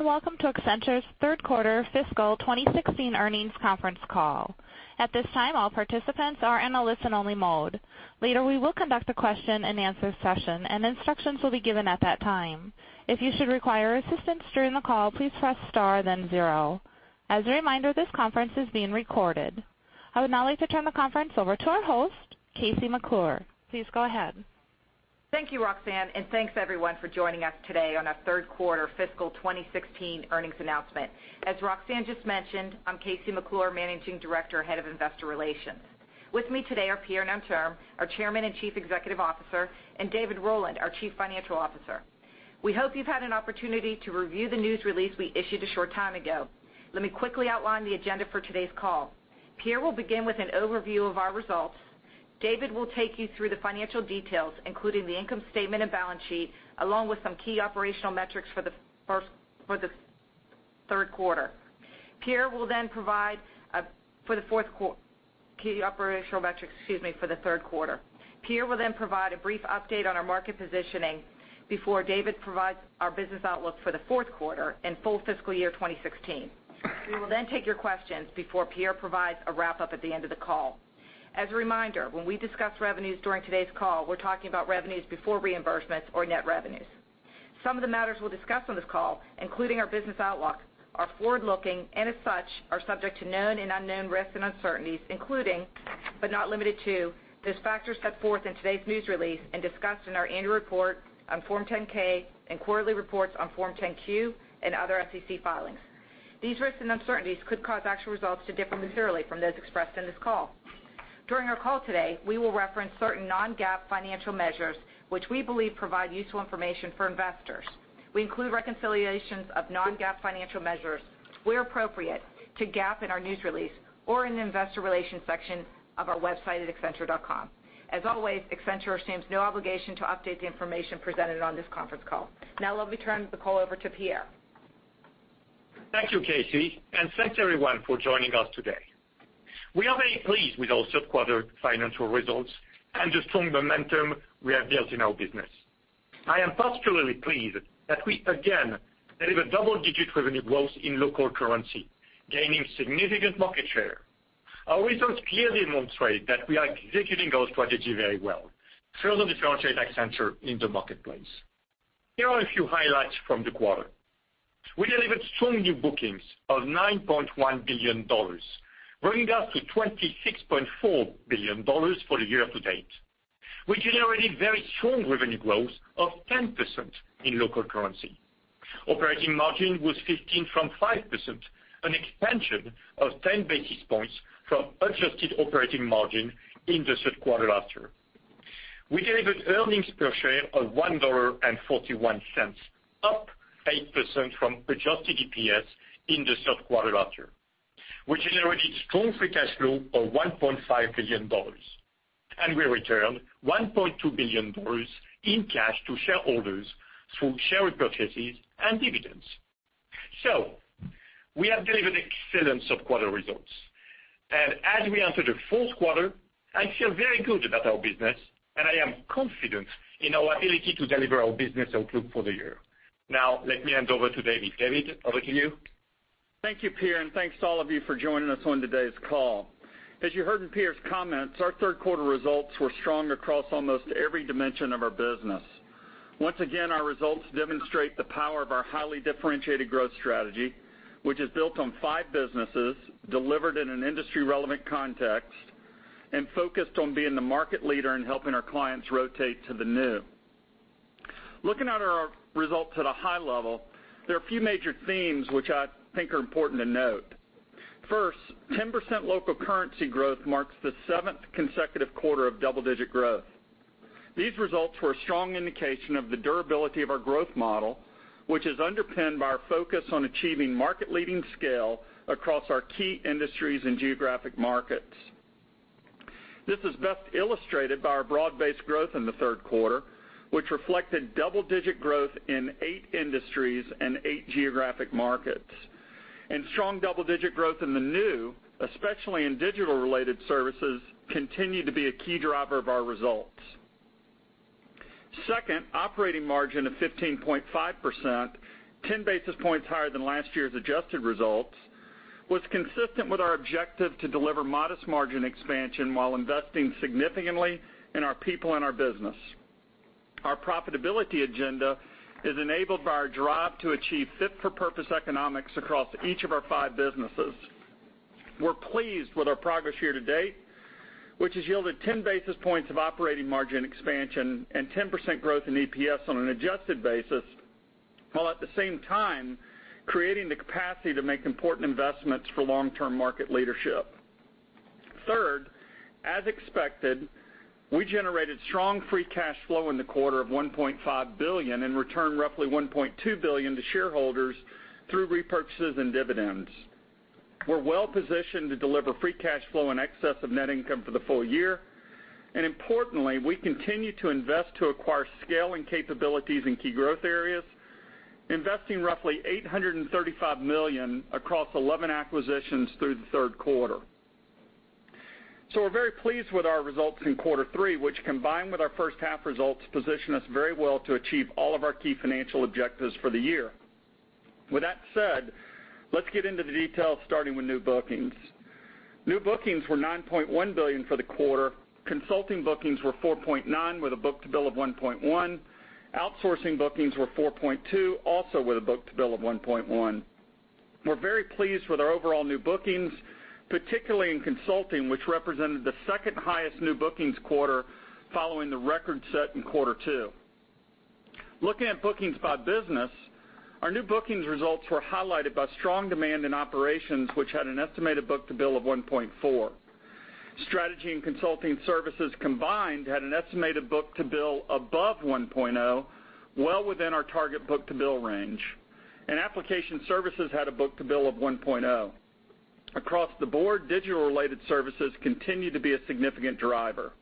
Welcome to Accenture's third quarter fiscal 2016 earnings conference call. At this time, all participants are in a listen-only mode. Later, we will conduct a question-and-answer session, and instructions will be given at that time. If you should require assistance during the call, please press star then zero. As a reminder, this conference is being recorded. I would now like to turn the conference over to our host, KC McClure. Please go ahead. Thank you, Roxanne, and thanks, everyone, for joining us today on our third quarter fiscal 2016 earnings announcement. As Roxanne just mentioned, I'm KC McClure, Managing Director, Head of Investor Relations. With me today are Pierre Nanterme, our Chairman and Chief Executive Officer, and David Rowland, our Chief Financial Officer. We hope you've had an opportunity to review the news release we issued a short time ago. Let me quickly outline the agenda for today's call. Pierre will begin with an overview of our results. David will take you through the financial details, including the income statement and balance sheet, along with some key operational metrics for the third quarter. Pierre will then provide a brief update on our market positioning before David provides our business outlook for the fourth quarter and full fiscal year 2016. We will then take your questions before Pierre provides a wrap-up at the end of the call. As a reminder, when we discuss revenues during today's call, we're talking about revenues before reimbursements or net revenues. Some of the matters we'll discuss on this call, including our business outlook, are forward-looking, and as such, are subject to known and unknown risks and uncertainties, including, but not limited to, those factors set forth in today's news release and discussed in our annual report on Form 10-K and quarterly reports on Form 10-Q and other SEC filings. These risks and uncertainties could cause actual results to differ materially from those expressed in this call. During our call today, we will reference certain non-GAAP financial measures which we believe provide useful information for investors. We include reconciliations of non-GAAP financial measures where appropriate to GAAP in our news release or in the investor relations section of our website at accenture.com. As always, Accenture assumes no obligation to update the information presented on this conference call. Now, let me turn the call over to Pierre. Thank you, KC, and thanks, everyone, for joining us today. We are very pleased with our third quarter financial results and the strong momentum we have built in our business. I am particularly pleased that we, again, delivered double-digit revenue growth in local currency, gaining significant market share. Our results clearly demonstrate that we are executing our strategy very well. Further differentiate Accenture in the marketplace. Here are a few highlights from the quarter. We delivered strong new bookings of $9.1 billion, bringing us to $26.4 billion for the year to date, which is already very strong revenue growth of 10% in local currency. Operating margin was 15.5%, an expansion of 10 basis points from adjusted operating margin in the third quarter last year. We delivered earnings per share of $1.41, up 8% from adjusted EPS in the third quarter last year. We generated strong free cash flow of $1.5 billion, and we returned $1.2 billion in cash to shareholders through share repurchases and dividends. We have delivered excellent sub-quarter results. As we enter the fourth quarter, I feel very good about our business, and I am confident in our ability to deliver our business outlook for the year. Now, let me hand over to David. David, over to you. Thank you, Pierre, and thanks to all of you for joining us on today's call. As you heard in Pierre's comments, our third quarter results were strong across almost every dimension of our business. Once again, our results demonstrate the power of our highly differentiated growth strategy, which is built on five businesses delivered in an industry-relevant context and focused on being the market leader in helping our clients rotate to the new. Looking at our results at a high level, there are a few major themes which I think are important to note. First, 10% local currency growth marks the seventh consecutive quarter of double-digit growth. These results were a strong indication of the durability of our growth model, which is underpinned by our focus on achieving market-leading scale across our key industries and geographic markets. This is best illustrated by our broad-based growth in the third quarter, which reflected double-digit growth in eight industries and eight geographic markets. Strong double-digit growth in the new, especially in digital-related services, continued to be a key driver of our results. Second, operating margin of 15.5%, 10 basis points higher than last year's adjusted results, was consistent with our objective to deliver modest margin expansion while investing significantly in our people and our business. Our profitability agenda is enabled by our drive to achieve fit-for-purpose economics across each of our five businesses. We are pleased with our progress here to date, which has yielded 10 basis points of operating margin expansion and 10% growth in EPS on an adjusted basis, while at the same time creating the capacity to make important investments for long-term market leadership. Third, as expected, we generated strong free cash flow in the quarter of $1.5 billion and returned roughly $1.2 billion to shareholders through repurchases and dividends. We're well-positioned to deliver free cash flow in excess of net income for the full year. Importantly, we continue to invest to acquire scale and capabilities in key growth areas, investing roughly $835 million across 11 acquisitions through the third quarter. We're very pleased with our results in quarter three, which combined with our first half results, position us very well to achieve all of our key financial objectives for the year. With that said, let's get into the details, starting with new bookings. New bookings were $9.1 billion for the quarter. Consulting bookings were $4.9, with a book-to-bill of 1.1. Outsourcing bookings were $4.2, also with a book-to-bill of 1.1. We're very pleased with our overall new bookings, particularly in consulting, which represented the second highest new bookings quarter following the record set in quarter two. Looking at bookings by business, our new bookings results were highlighted by strong demand in operations, which had an estimated book-to-bill of 1.4. Strategy and consulting services combined had an estimated book-to-bill above 1.0, well within our target book-to-bill range. Application services had a book-to-bill of 1.0. Across the board, digital related services continue to be a significant driver.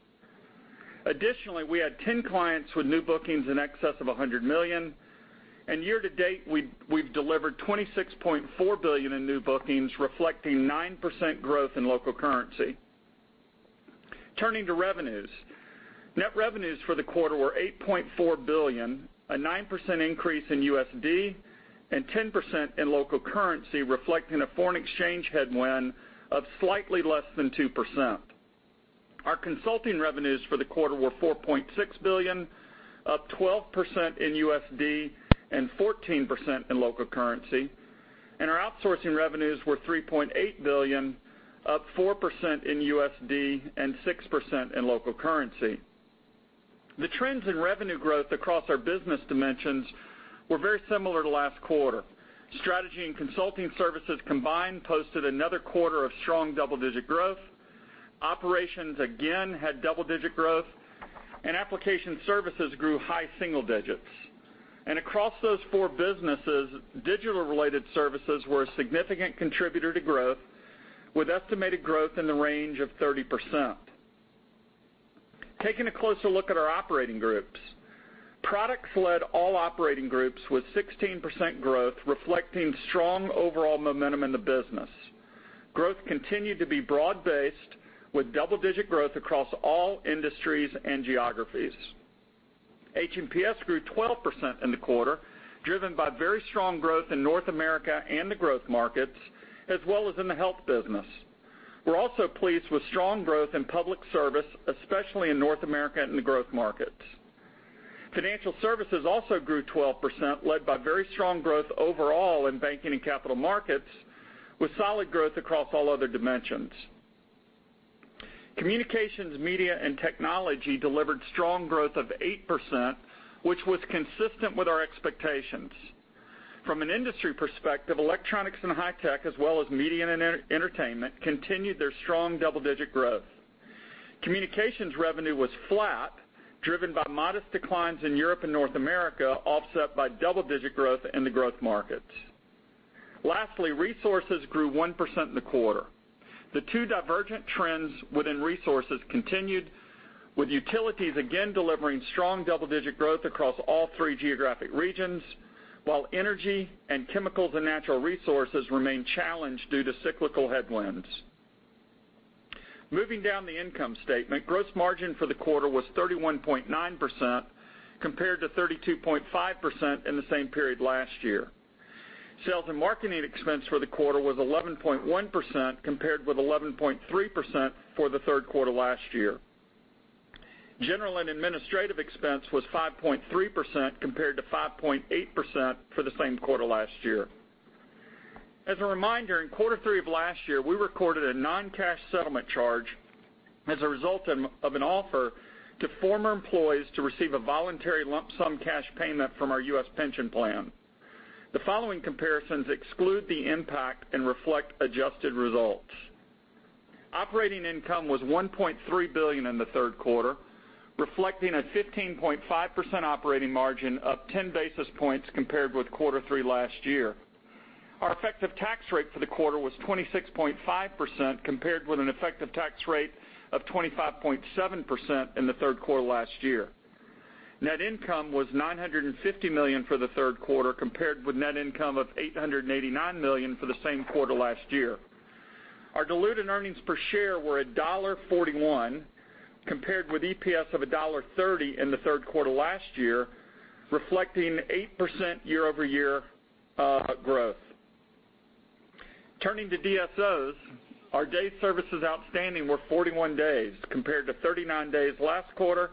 Additionally, we had 10 clients with new bookings in excess of $100 million, and year-to-date, we've delivered $26.4 billion in new bookings, reflecting 9% growth in local currency. Turning to revenues. Net revenues for the quarter were $8.4 billion, a 9% increase in USD and 10% in local currency, reflecting a foreign exchange headwind of slightly less than 2%. Our consulting revenues for the quarter were $4.6 billion, up 12% in USD and 14% in local currency, and our outsourcing revenues were $3.8 billion, up 4% in USD and 6% in local currency. The trends in revenue growth across our business dimensions were very similar to last quarter. Strategy and consulting services combined posted another quarter of strong double-digit growth. Operations again had double-digit growth, and application services grew high single digits. Across those four businesses, digital related services were a significant contributor to growth, with estimated growth in the range of 30%. Taking a closer look at our operating groups. Products led all operating groups with 16% growth, reflecting strong overall momentum in the business. Growth continued to be broad-based, with double-digit growth across all industries and geographies. H&PS grew 12% in the quarter, driven by very strong growth in North America and the growth markets, as well as in the health business. We're also pleased with strong growth in public service, especially in North America and the growth markets. Financial services also grew 12%, led by very strong growth overall in banking and capital markets, with solid growth across all other dimensions. Communications, media, and technology delivered strong growth of 8%, which was consistent with our expectations. From an industry perspective, electronics and high tech, as well as media and entertainment, continued their strong double-digit growth. Communications revenue was flat, driven by modest declines in Europe and North America, offset by double-digit growth in the growth markets. Lastly, resources grew 1% in the quarter. The two divergent trends within resources continued, with utilities again delivering strong double-digit growth across all three geographic regions, while energy and chemicals and natural resources remain challenged due to cyclical headwinds. Moving down the income statement, gross margin for the quarter was 31.9% compared to 32.5% in the same period last year. Sales and marketing expense for the quarter was 11.1%, compared with 11.3% for the third quarter last year. General and administrative expense was 5.3% compared to 5.8% for the same quarter last year. As a reminder, in quarter three of last year, we recorded a non-cash settlement charge as a result of an offer to former employees to receive a voluntary lump sum cash payment from our US pension plan. The following comparisons exclude the impact and reflect adjusted results. Operating income was $1.3 billion in the third quarter, reflecting a 15.5% operating margin, up 10 basis points compared with quarter three last year. Our effective tax rate for the quarter was 26.5%, compared with an effective tax rate of 25.7% in the third quarter last year. Net income was $950 million for the third quarter, compared with net income of $889 million for the same quarter last year. Our diluted earnings per share were $1.41, compared with EPS of $1.30 in the third quarter last year, reflecting 8% year-over-year growth. Turning to DSOs. Our days services outstanding were 41 days, compared to 39 days last quarter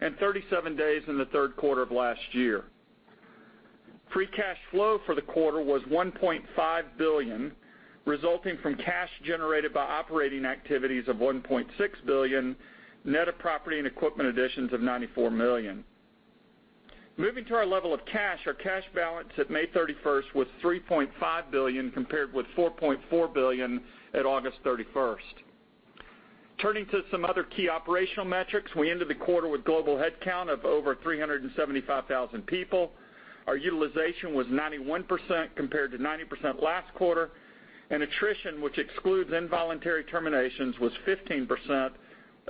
and 37 days in the third quarter of last year. Free cash flow for the quarter was $1.5 billion, resulting from cash generated by operating activities of $1.6 billion, net of property and equipment additions of $94 million. Moving to our level of cash, our cash balance at May 31st was $3.5 billion, compared with $4.4 billion at August 31st. Turning to some other key operational metrics, we ended the quarter with global headcount of over 375,000 people. Our utilization was 91% compared to 90% last quarter, and attrition, which excludes involuntary terminations, was 15%,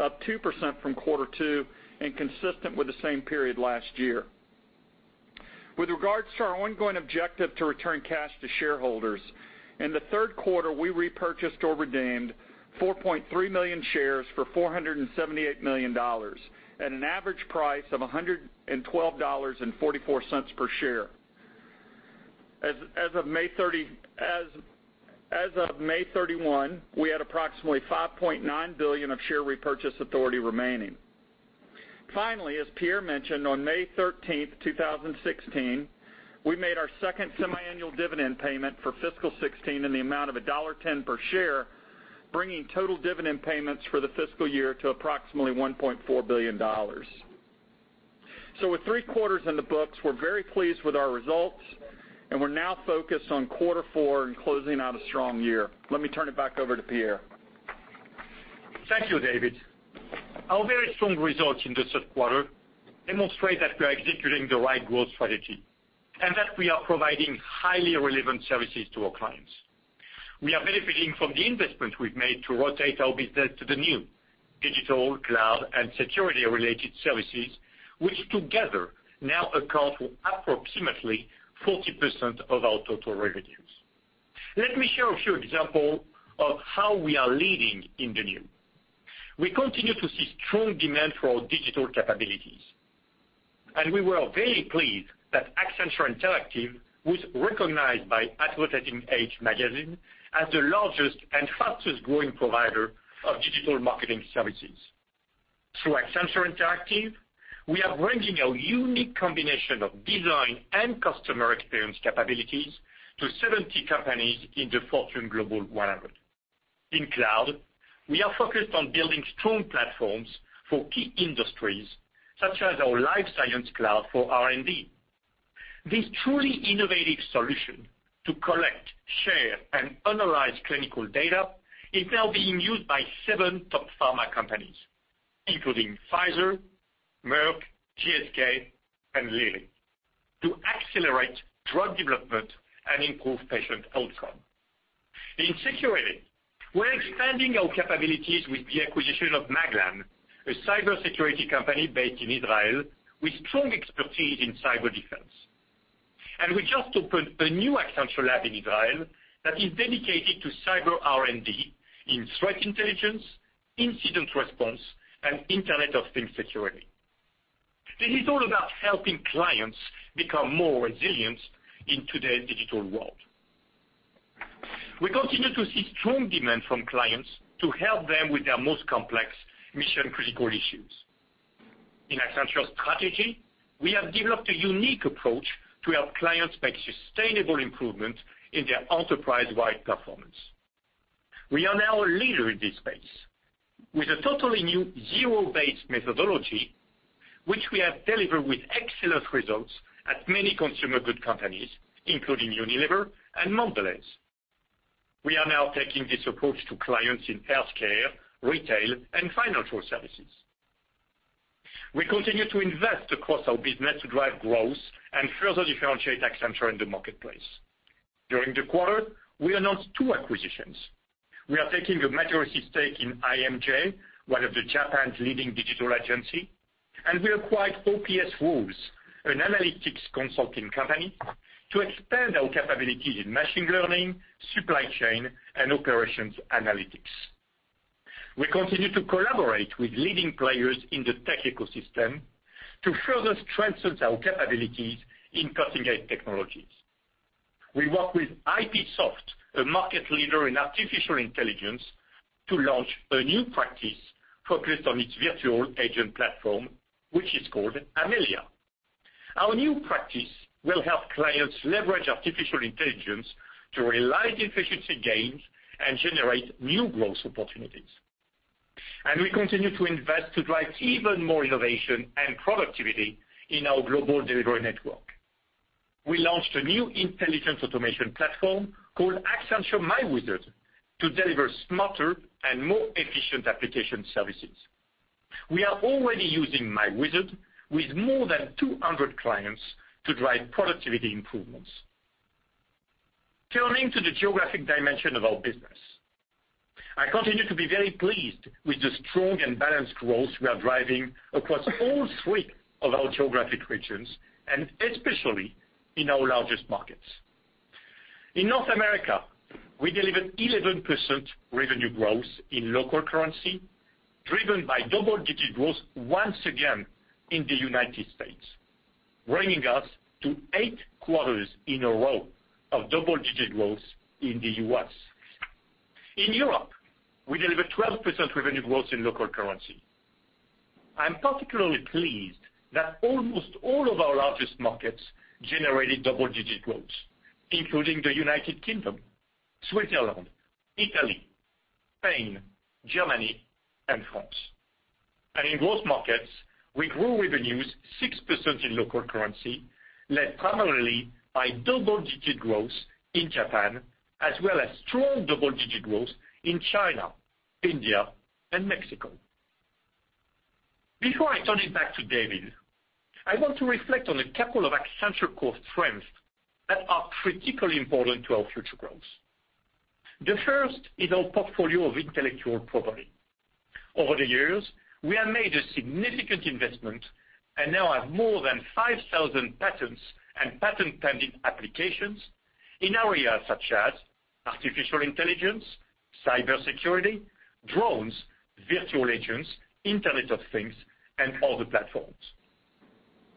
up 2% from quarter two and consistent with the same period last year. With regards to our ongoing objective to return cash to shareholders, in the third quarter, we repurchased or redeemed 4.3 million shares for $478 million at an average price of $112.44 per share. As of May 31, we had approximately $5.9 billion of share repurchase authority remaining. Finally, as Pierre mentioned, on May 13, 2016, we made our second semiannual dividend payment for fiscal 2016 in the amount of $1.10 per share, bringing total dividend payments for the fiscal year to approximately $1.4 billion. With three quarters in the books, we're very pleased with our results, and we're now focused on quarter four and closing out a strong year. Let me turn it back over to Pierre. Thank you, David. Our very strong results in the third quarter demonstrate that we are executing the right growth strategy, and that we are providing highly relevant services to our clients. We are benefiting from the investments we've made to rotate our business to the new digital cloud and security-related services, which together now account for approximately 40% of our total revenues. Let me share a few example of how we are leading in the new. We continue to see strong demand for our digital capabilities, and we were very pleased that Accenture Interactive was recognized by Advertising Age magazine as the largest and fastest-growing provider of digital marketing services. Through Accenture Interactive, we are bringing a unique combination of design and customer experience capabilities to 70 companies in the Fortune Global 100. In cloud, we are focused on building strong platforms for key industries such as our life science cloud for R&D. This truly innovative solution to collect, share, and analyze clinical data is now being used by seven top pharma companies, including Pfizer, Merck, GSK, and Lilly, to accelerate drug development and improve patient outcome. In security, we're expanding our capabilities with the acquisition of Maglan, a cybersecurity company based in Israel with strong expertise in cyber defense. We just opened a new Accenture lab in Israel that is dedicated to cyber R&D in threat intelligence, incident response, and Internet of Things security. This is all about helping clients become more resilient in today's digital world. We continue to see strong demand from clients to help them with their most complex mission-critical issues. In Accenture Strategy, we have developed a unique approach to help clients make sustainable improvements in their enterprise-wide performance. We are now a leader in this space with a totally new zero-based methodology, which we have delivered with excellent results at many consumer goods companies, including Unilever and Mondelēz. We are now taking this approach to clients in healthcare, retail, and financial services. We continue to invest across our business to drive growth and further differentiate Accenture in the marketplace. During the quarter, we announced two acquisitions. We are taking a majority stake in IMJ, one of the Japan's leading digital agency, and we acquired OPS Rules, an analytics consulting company, to expand our capabilities in machine learning, supply chain, and operations analytics. We continue to collaborate with leading players in the tech ecosystem to further strengthen our capabilities in cutting-edge technologies. We work with IPsoft, a market leader in artificial intelligence, to launch a new practice focused on its virtual agent platform, which is called Amelia. Our new practice will help clients leverage artificial intelligence to realize efficiency gains and generate new growth opportunities. We continue to invest to drive even more innovation and productivity in our global delivery network. We launched a new intelligence automation platform called Accenture myWizard to deliver smarter and more efficient application services. We are already using myWizard with more than 200 clients to drive productivity improvements. Turning to the geographic dimension of our business, I continue to be very pleased with the strong and balanced growth we are driving across all three of our geographic regions, and especially in our largest markets. In North America, we delivered 11% revenue growth in local currency, driven by double-digit growth once again in the United States, bringing us to eight quarters in a row of double-digit growth in the U.S. In Europe, we delivered 12% revenue growth in local currency. I am particularly pleased that almost all of our largest markets generated double-digit growth, including the U.K., Switzerland, Italy, Spain, Germany, and France. In growth markets, we grew revenues 6% in local currency, led primarily by double-digit growth in Japan, as well as strong double-digit growth in China, India, and Mexico. Before I turn it back to David, I want to reflect on a couple of Accenture core strengths that are particularly important to our future growth. The first is our portfolio of intellectual property. Over the years, we have made a significant investment and now have more than 5,000 patents and patent-pending applications in areas such as artificial intelligence, cybersecurity, drones, virtual agents, Internet of Things, and other platforms.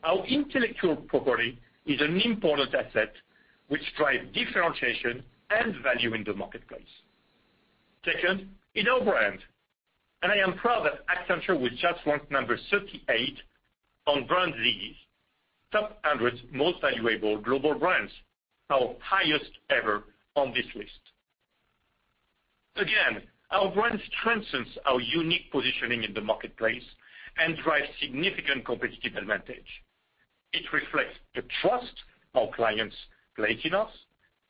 Our intellectual property is an important asset which drives differentiation and value in the marketplace. Second is our brand, and I am proud that Accenture was just ranked number 38 on BrandZ's Top 100 Most Valuable Global Brands, our highest ever on this list. Again, our brand strengthens our unique positioning in the marketplace and drives significant competitive advantage. It reflects the trust our clients place in us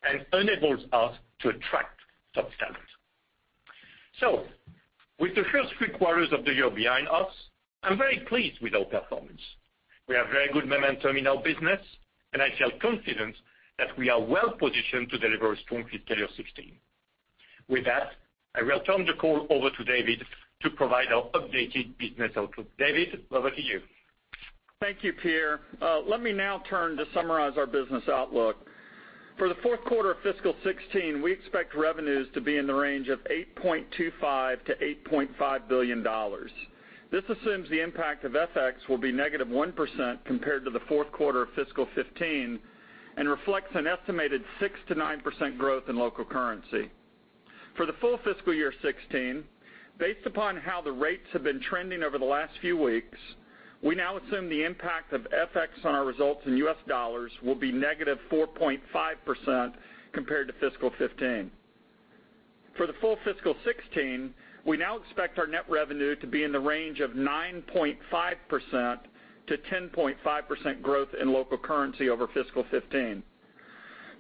and enables us to attract top talent. With the first three quarters of the year behind us, I'm very pleased with our performance. We have very good momentum in our business, and I feel confident that we are well-positioned to deliver a strong fiscal year 2016. With that, I will turn the call over to David to provide our updated business outlook. David, over to you. Thank you, Pierre. Let me now turn to summarize our business outlook. For the fourth quarter of fiscal 2016, we expect revenues to be in the range of $8.25 billion-$8.5 billion. This assumes the impact of FX will be -1% compared to the fourth quarter of fiscal 2015 and reflects an estimated 6%-9% growth in local currency. For the full fiscal year 2016, based upon how the rates have been trending over the last few weeks, we now assume the impact of FX on our results in U.S. dollars will be -4.5% compared to fiscal 2015. For the full fiscal 2016, we now expect our net revenue to be in the range of 9.5%-10.5% growth in local currency over fiscal 2015.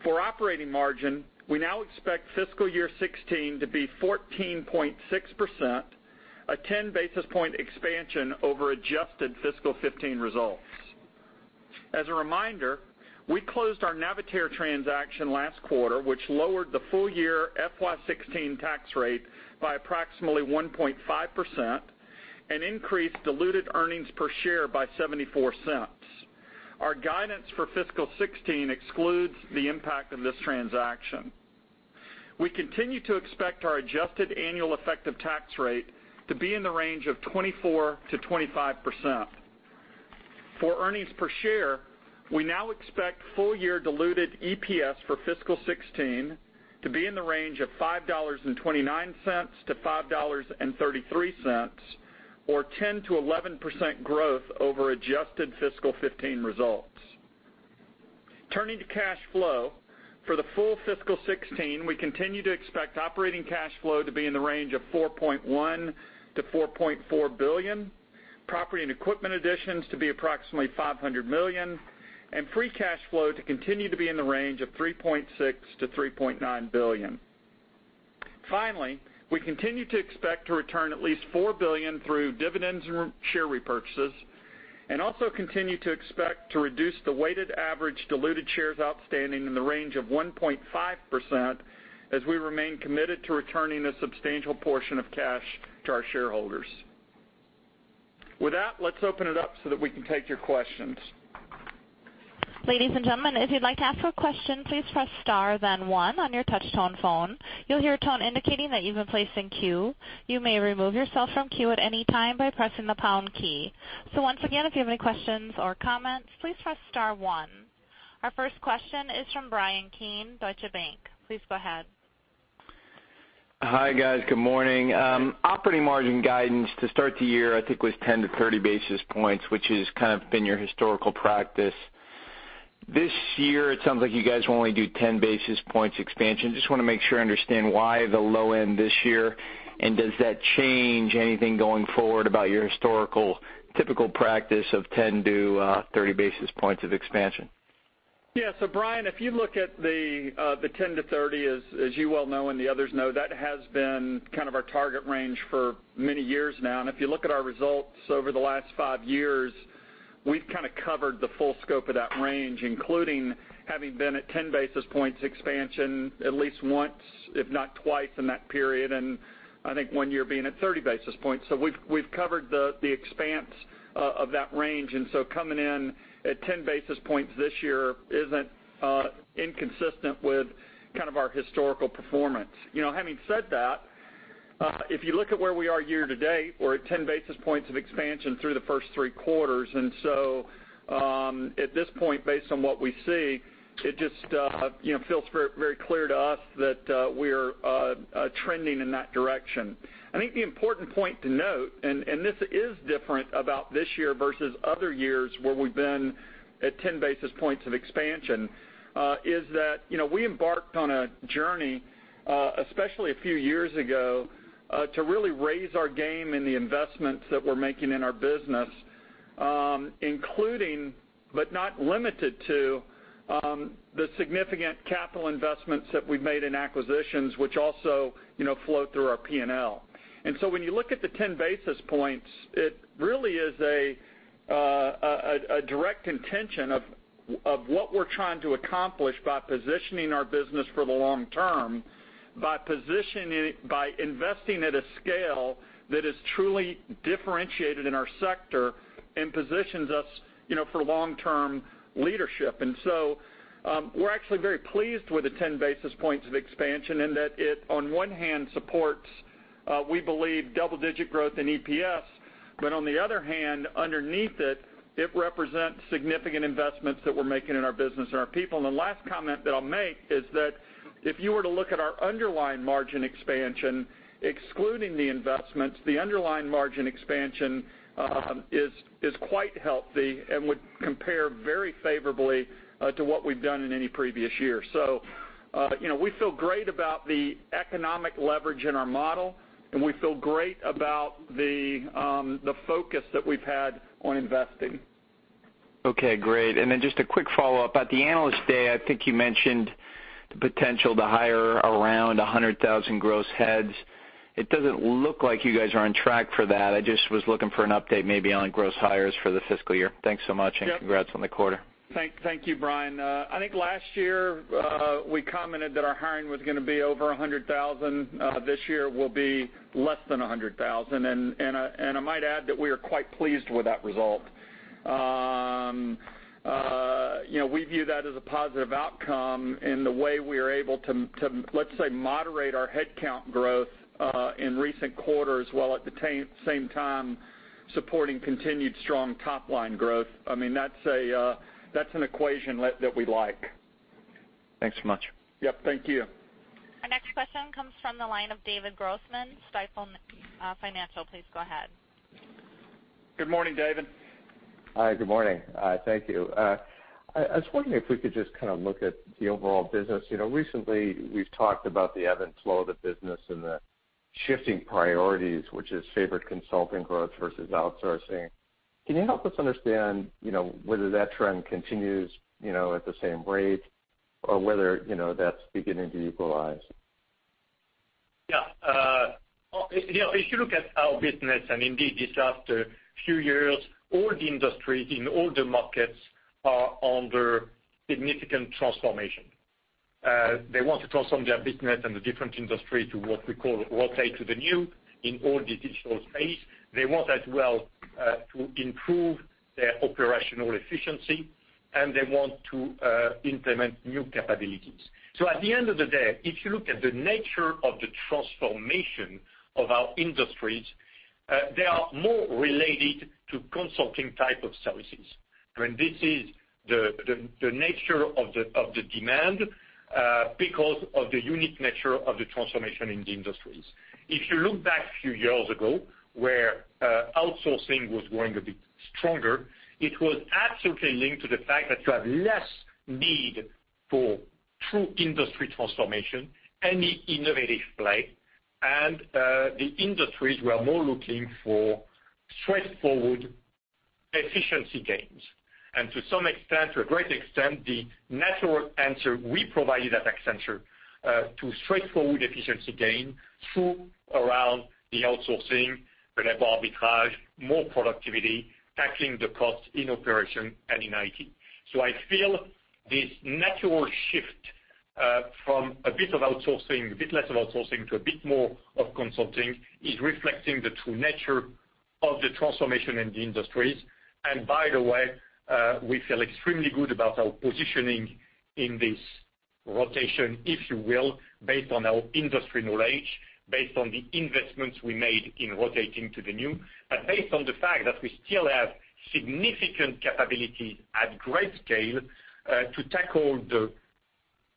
For operating margin, we now expect fiscal year 2016 to be 14.6%, a 10-basis-point expansion over adjusted fiscal 2015 results. As a reminder, we closed our Navitaire transaction last quarter, which lowered the full year FY 2016 tax rate by approximately 1.5% and increased diluted earnings per share by $0.74. Our guidance for fiscal 2016 excludes the impact of this transaction. We continue to expect our adjusted annual effective tax rate to be in the range of 24%-25%. For earnings per share, we now expect full-year diluted EPS for fiscal 2016 to be in the range of $5.29-$5.33, or 10%-11% growth over adjusted fiscal 2015 results. Turning to cash flow. For the full fiscal 2016, we continue to expect operating cash flow to be in the range of $4.1 billion-$4.4 billion, property and equipment additions to be approximately $500 million, and free cash flow to continue to be in the range of $3.6 billion-$3.9 billion. Finally, we continue to expect to return at least $4 billion through dividends and share repurchases, and also continue to expect to reduce the weighted average diluted shares outstanding in the range of 1.5% as we remain committed to returning a substantial portion of cash to our shareholders. With that, let's open it up so that we can take your questions. Ladies and gentlemen, if you'd like to ask a question, please press star then 1 on your touch-tone phone. You'll hear a tone indicating that you've been placed in queue. You may remove yourself from queue at any time by pressing the pound key. Once again, if you have any questions or comments, please press star 1. Our first question is from Bryan Keane, Deutsche Bank. Please go ahead. Hi, guys. Good morning. Operating margin guidance to start the year, I think, was 10-30 basis points, which has kind of been your historical practice. This year, it sounds like you guys will only do 10 basis points expansion. Just want to make sure I understand why the low end this year, and does that change anything going forward about your historical typical practice of 10-30 basis points of expansion? Yeah. Bryan, if you look at the 10-30, as you well know, and the others know, that has been kind of our target range for many years now. If you look at our results over the last 5 years, we've kind of covered the full scope of that range, including having been at 10 basis points expansion at least once, if not twice in that period, and I think 1 year being at 30 basis points. We've covered the expanse of that range, coming in at 10 basis points this year isn't inconsistent with kind of our historical performance. Having said that, if you look at where we are year-to-date, we're at 10 basis points of expansion through the first 3 quarters, at this point, based on what we see, it just feels very clear to us that we're trending in that direction. I think the important point to note, this is different about this year versus other years where we've been at 10 basis points of expansion, is that we embarked on a journey, especially a few years ago, to really raise our game in the investments that we're making in our business, including, but not limited to, the significant capital investments that we've made in acquisitions, which also flow through our P&L. When you look at the 10 basis points, it really is a direct intention of what we're trying to accomplish by positioning our business for the long term, by investing at a scale that is truly differentiated in our sector and positions us for long-term leadership. We're actually very pleased with the 10 basis points of expansion in that it, on 1 hand, supports, we believe, double-digit growth in EPS, but on the other hand, underneath it represents significant investments that we're making in our business and our people. The last comment that I'll make is that if you were to look at our underlying margin expansion, excluding the investments, the underlying margin expansion is quite healthy and would compare very favorably to what we've done in any previous year. We feel great about the economic leverage in our model, and we feel great about the focus that we've had on investing. Okay, great. Just a quick follow-up. At the Analyst Day, I think you mentioned the potential to hire around 100,000 gross heads. It doesn't look like you guys are on track for that. I just was looking for an update maybe on gross hires for the fiscal year. Thanks so much. Yep. Congrats on the quarter. Thank you, Bryan. I think last year we commented that our hiring was going to be over 100,000. This year will be less than 100,000. I might add that we are quite pleased with that result. We view that as a positive outcome in the way we are able to, let's say, moderate our headcount growth in recent quarters, while at the same time supporting continued strong top-line growth. That's an equation that we like. Thanks so much. Yep, thank you. Our next question comes from the line of David Grossman, Stifel Financial. Please go ahead. Good morning, David. Hi, good morning. Thank you. I was wondering if we could just look at the overall business. Recently, we've talked about the ebb and flow of the business and the shifting priorities, which has favored consulting growth versus outsourcing. Can you help us understand whether that trend continues at the same rate or whether that's beginning to equalize? Yeah. If you look at our business, indeed this after a few years, all the industry in all the markets are under significant transformation. They want to transform their business and the different industry to what we call rotate to the New in all digital space. They want as well to improve their operational efficiency, and they want to implement new capabilities. At the end of the day, if you look at the nature of the transformation of our industries, they are more related to consulting type of services. This is the nature of the demand because of the unique nature of the transformation in the industries. If you look back a few years ago where outsourcing was growing a bit stronger, it was absolutely linked to the fact that you have less need for true industry transformation, any innovative play, and the industries were more looking for straightforward efficiency gains. To some extent, to a great extent, the natural answer we provided at Accenture to straightforward efficiency gain through around the outsourcing, labor arbitrage, more productivity, tackling the cost in operation and in IT. I feel this natural shift from a bit of outsourcing, a bit less of outsourcing to a bit more of consulting is reflecting the true nature of the transformation in the industries. By the way, we feel extremely good about our positioning in this rotation, if you will, based on our industry knowledge, based on the investments we made in rotating to the New, and based on the fact that we still have significant capabilities at great scale to tackle the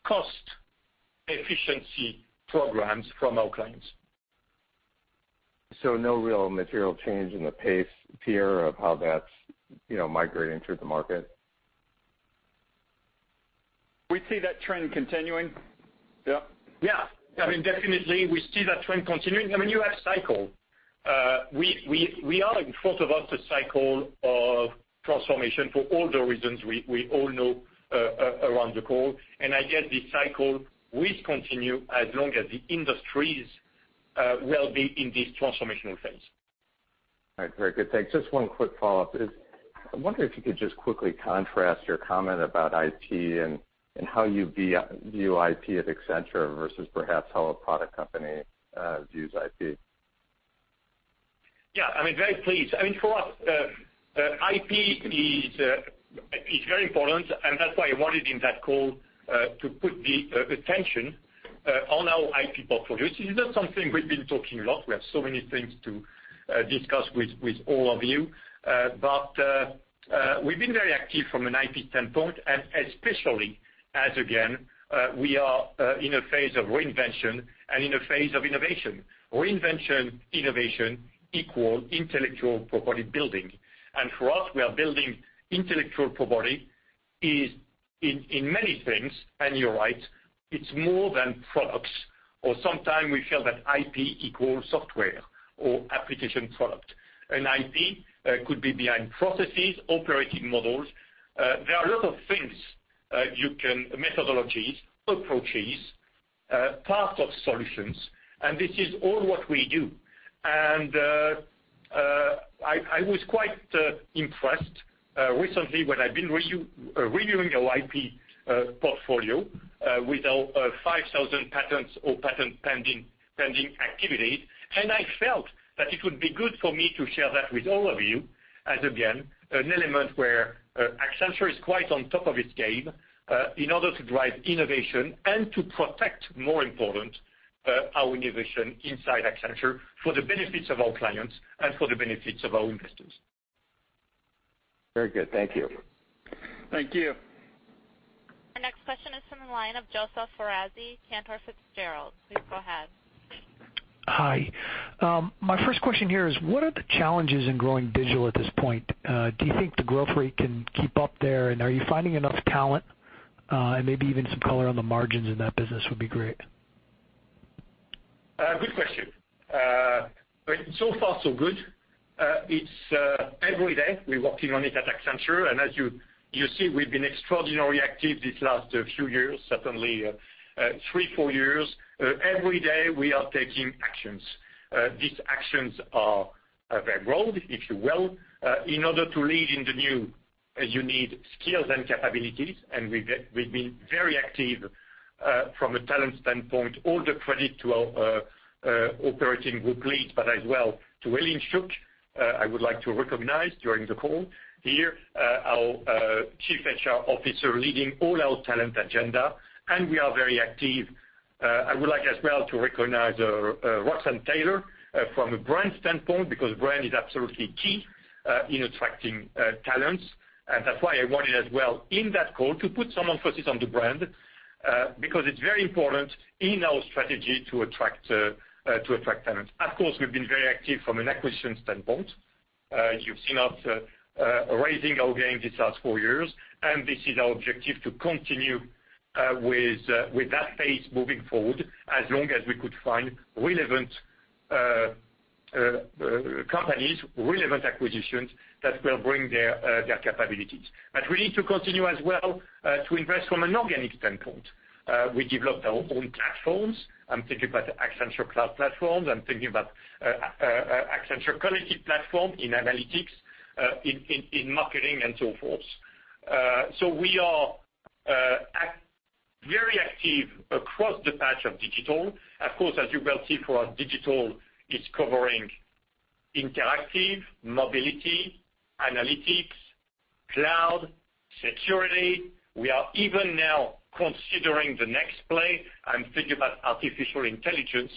cost efficiency programs from our clients. No real material change in the pace, Pierre, of how that's migrating through the market? We see that trend continuing. Yep. Yeah. Yeah. Definitely, we see that trend continuing. We are in front of us a cycle of transformation for all the reasons we all know around the call. I guess this cycle will continue as long as the industries will be in this transformational phase. All right. Very good. Thanks. Just one quick follow-up is I wonder if you could just quickly contrast your comment about IT and how you view IT at Accenture versus perhaps how a product company views IT. Yeah. Very pleased. For us, IP is very important, that's why I wanted in that call to put the attention on our IP portfolio. This is not something we've been talking a lot. We have so many things to discuss with all of you. We've been very active from an IP standpoint, especially as, again, we are in a phase of reinvention and in a phase of innovation. Reinvention, innovation equal intellectual property building. For us, we are building intellectual property is in many things, and you're right, it's more than products, or sometimes we feel that IP equals software or application product. An IP could be behind processes, operating models. There are a lot of things You can methodologies, approaches, part of solutions, this is all what we do. I was quite impressed recently when I've been reviewing our IP portfolio with our 5,000 patents or patent pending activities, and I felt that it would be good for me to share that with all of you as, again, an element where Accenture is quite on top of its game in order to drive innovation and to protect, more important, our innovation inside Accenture for the benefits of our clients and for the benefits of our investors. Very good. Thank you. Thank you. Our next question is from the line of Joseph Foresi, Cantor Fitzgerald. Please go ahead. Hi. My first question here is, what are the challenges in growing digital at this point? Do you think the growth rate can keep up there, and are you finding enough talent? Maybe even some color on the margins in that business would be great. Good question. So far so good. It's every day we're working on it at Accenture. As you see, we've been extraordinarily active these last few years, certainly three, four years. Every day, we are taking actions. These actions are very broad, if you will. In order to lead in the new, you need skills and capabilities, and we've been very active from a talent standpoint. All the credit to our operating group leads, but as well to Ellyn Shook. I would like to recognize during the call here our Chief HR Officer leading all our talent agenda, and we are very active. I would like as well to recognize Roxanne Taylor from a brand standpoint, because brand is absolutely key in attracting talents. That's why I wanted as well in that call to put some emphasis on the brand, because it's very important in our strategy to attract talents. Of course, we've been very active from an acquisition standpoint. As you've seen us raising our game these last four years, this is our objective to continue with that pace moving forward as long as we could find relevant companies, relevant acquisitions that will bring their capabilities. We need to continue as well to invest from an organic standpoint. We developed our own platforms. I'm thinking about Accenture Cloud Platform. I'm thinking about Accenture Quality Platform in analytics, in marketing, and so forth. We are very active across the patch of digital. Of course, as you will see for our digital, it's covering interactive, mobility, analytics, cloud, security. We are even now considering the next play. I'm thinking about artificial intelligence.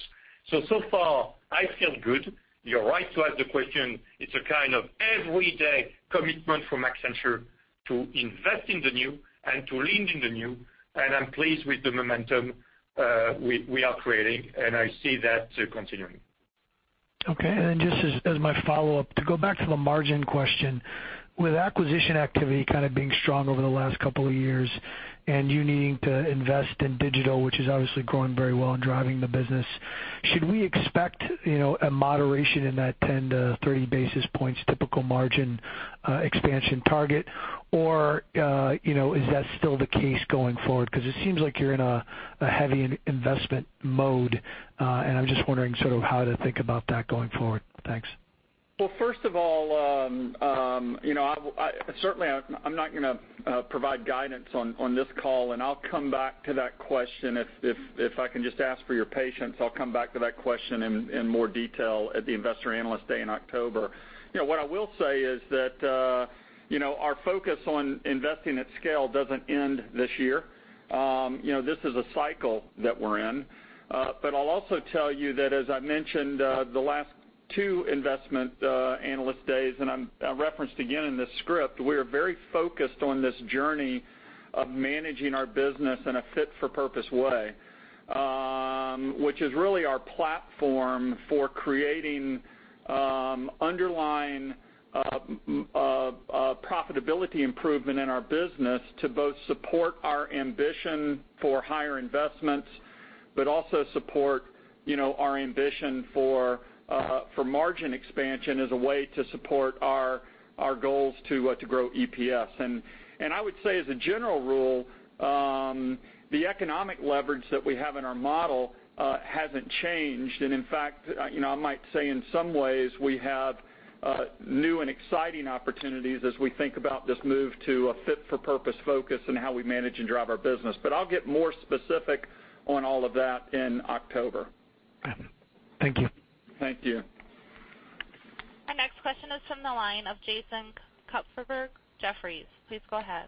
So far I feel good. You're right to ask the question. It's a kind of everyday commitment from Accenture to invest in the new and to lean in the new, I'm pleased with the momentum we are creating, I see that continuing. Okay. Just as my follow-up, to go back to the margin question. With acquisition activity kind of being strong over the last couple of years and you needing to invest in digital, which is obviously growing very well and driving the business, should we expect a moderation in that 10 to 30 basis points typical margin expansion target, or is that still the case going forward? Because it seems like you're in a heavy investment mode, and I'm just wondering sort of how to think about that going forward. Thanks. First of all, certainly I'm not going to provide guidance on this call, and I'll come back to that question. If I can just ask for your patience, I'll come back to that question in more detail at the Investor Analyst Day in October. What I will say is that our focus on investing at scale doesn't end this year. This is a cycle that we're in. I'll also tell you that as I mentioned the last two investment analyst days, and I referenced again in this script, we are very focused on this journey of managing our business in a fit-for-purpose way, which is really our platform for creating underlying profitability improvement in our business to both support our ambition for higher investments, but also support our ambition for margin expansion as a way to support our goals to grow EPS. I would say as a general rule, the economic leverage that we have in our model hasn't changed. In fact, I might say in some ways we have new and exciting opportunities as we think about this move to a fit-for-purpose focus and how we manage and drive our business. I'll get more specific on all of that in October. Thank you. Thank you. Our next question is from the line of Jason Kupferberg, Jefferies. Please go ahead.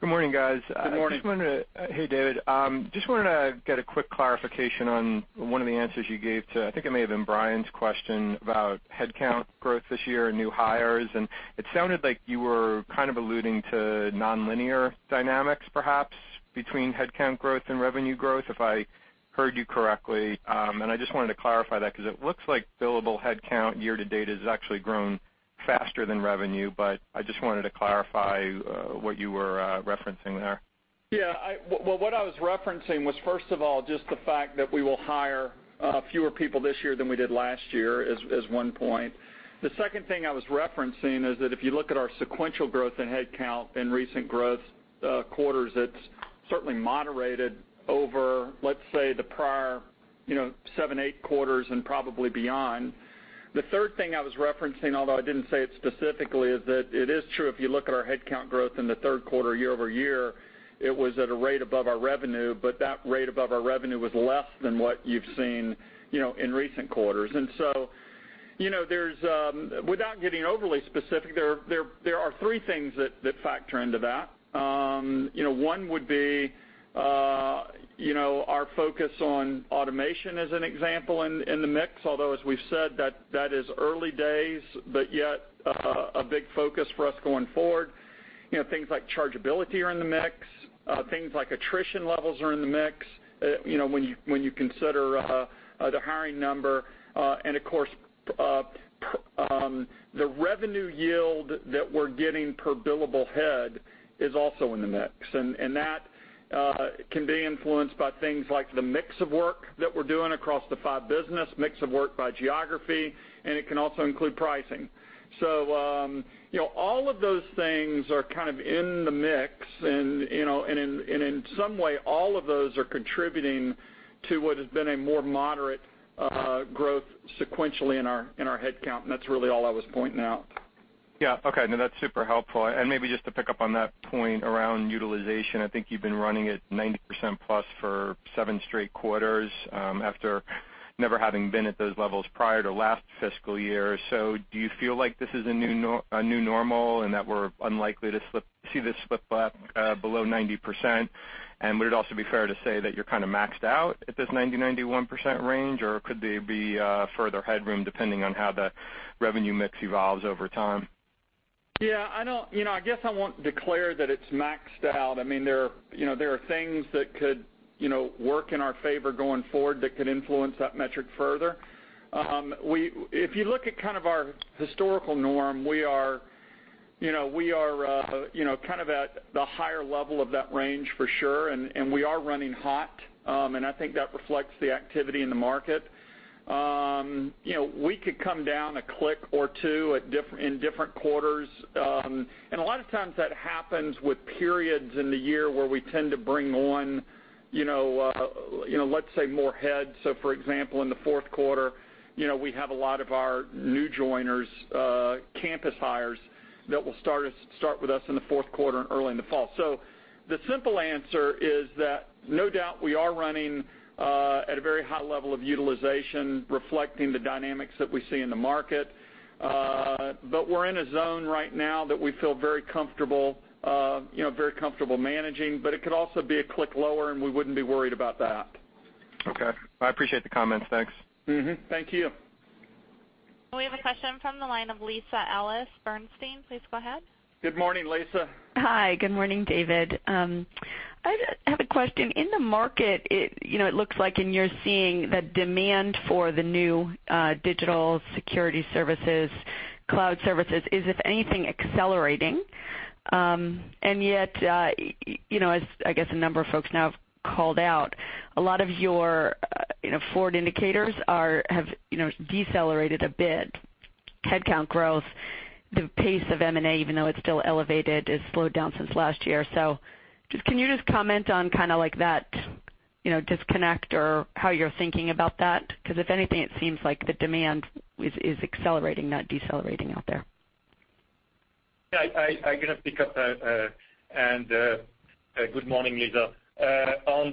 Good morning, guys. Good morning. Hey, David. Just wanted to get a quick clarification on one of the answers you gave to, I think it may have been Bryan's question about headcount growth this year and new hires. It sounded like you were kind of alluding to nonlinear dynamics perhaps between headcount growth and revenue growth, if I heard you correctly. I just wanted to clarify that because it looks like billable headcount year-to-date has actually grown faster than revenue, but I just wanted to clarify what you were referencing there. Yeah. Well, what I was referencing was, first of all, just the fact that we will hire fewer people this year than we did last year, is one point. The second thing I was referencing is that if you look at our sequential growth in headcount in recent growth quarters, it's certainly moderated over, let's say, the prior seven, eight quarters and probably beyond. The third thing I was referencing, although I didn't say it specifically, is that it is true if you look at our headcount growth in the third quarter year-over-year, it was at a rate above our revenue, but that rate above our revenue was less than what you've seen in recent quarters. Without getting overly specific, there are three things that factor into that. One would be our focus on automation as an example in the mix, although, as we've said, that is early days, but yet a big focus for us going forward. Things like chargeability are in the mix. Things like attrition levels are in the mix when you consider the hiring number. Of course, the revenue yield that we're getting per billable head is also in the mix, and that can be influenced by things like the mix of work that we're doing across the five business, mix of work by geography, and it can also include pricing. All of those things are kind of in the mix and in some way, all of those are contributing to what has been a more moderate growth sequentially in our headcount, and that's really all I was pointing out. Yeah. Okay. No, that's super helpful. Maybe just to pick up on that point around utilization, I think you've been running at 90% plus for seven straight quarters, after never having been at those levels prior to last fiscal year. Do you feel like this is a new normal and that we're unlikely to see this slip up below 90%? Would it also be fair to say that you're kind of maxed out at this 90, 91% range or could there be further headroom depending on how the revenue mix evolves over time? Yeah. I guess I won't declare that it's maxed out. There are things that could work in our favor going forward that could influence that metric further. If you look at kind of our historical norm, we are at the higher level of that range for sure, and we are running hot. I think that reflects the activity in the market. We could come down a click or two in different quarters. A lot of times, that happens with periods in the year where we tend to bring on, let's say, more heads. For example, in the fourth quarter, we have a lot of our new joiners, campus hires that will start with us in the fourth quarter and early in the fall. The simple answer is that no doubt we are running at a very high level of utilization, reflecting the dynamics that we see in the market. We're in a zone right now that we feel very comfortable managing. It could also be a click lower, and we wouldn't be worried about that. Okay. I appreciate the comments. Thanks. Mm-hmm. Thank you. We have a question from the line of Lisa Ellis, Bernstein. Please go ahead. Good morning, Lisa. Hi. Good morning, David. I have a question. In the market, it looks like, and you're seeing the demand for the new digital security services, cloud services is, if anything, accelerating. Yet, as I guess a number of folks now have called out, a lot of your forward indicators have decelerated a bit. Headcount growth, the pace of M&A, even though it's still elevated, has slowed down since last year. Just can you just comment on that disconnect or how you're thinking about that? Because if anything, it seems like the demand is accelerating, not decelerating out there. Yeah. I'm going to pick up. Good morning, Lisa. On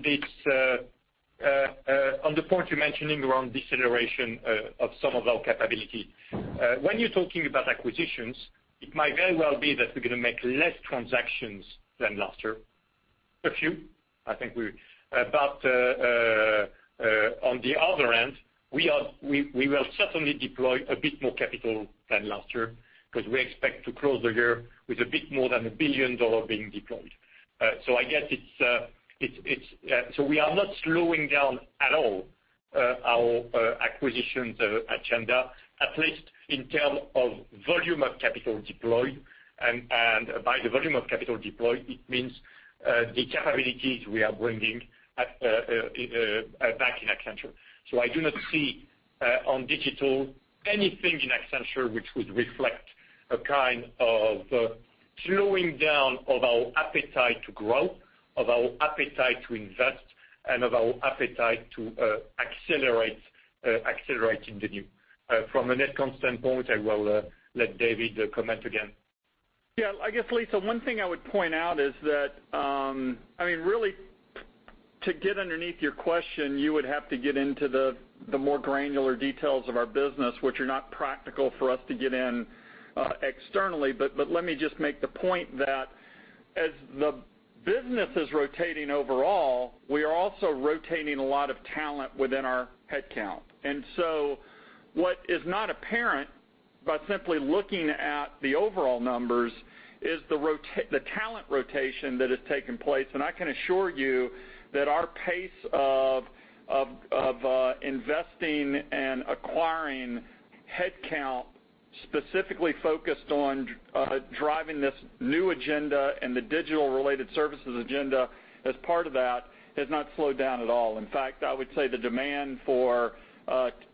the point you're mentioning around deceleration of some of our capability. When you're talking about acquisitions, it might very well be that we're going to make less transactions than last year. A few. On the other end, we will certainly deploy a bit more capital than last year because we expect to close the year with a bit more than $1 billion being deployed. We are not slowing down at all our acquisitions agenda, at least in term of volume of capital deployed. By the volume of capital deployed, it means the capabilities we are bringing back in Accenture. I do not see on digital anything in Accenture which would reflect a kind of slowing down of our appetite to grow, of our appetite to invest, and of our appetite to accelerating the new. From a net constant point, I will let David comment again. Yeah. I guess, Lisa, one thing I would point out is that really to get underneath your question, you would have to get into the more granular details of our business, which are not practical for us to get in externally. Let me just make the point that as the business is rotating overall, we are also rotating a lot of talent within our headcount. What is not apparent by simply looking at the overall numbers is the talent rotation that has taken place. I can assure you that our pace of investing and acquiring headcount specifically focused on driving this new agenda and the digital-related services agenda as part of that has not slowed down at all. In fact, I would say the demand for